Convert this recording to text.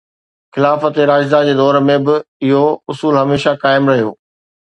خلافت راشده جي دور ۾ به اهو اصول هميشه قائم رهيو